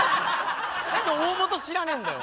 何で大本知らねえんだよ！